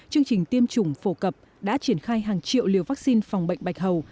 chương trình tiêm chủng phổ cập đã triển khai hàng triệu liều vaccine phòng bệnh bạch hầu